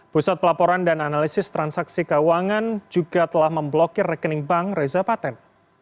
pusat pelaporan dan analisis transaksi keuangan juga telah memblokir rekening bank reza paten